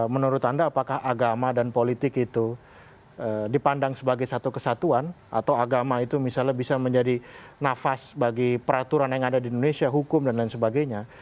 menurut anda apakah agama dan politik itu dipandang sebagai satu kesatuan atau agama itu misalnya bisa menjadi nafas bagi peraturan yang ada di indonesia hukum dan lain sebagainya